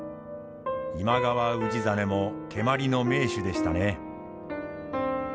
今川氏真も蹴鞠の名手でしたね。